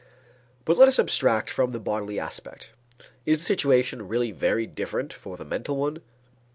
But let us abstract from the bodily aspect. Is the situation really very different for the mental one?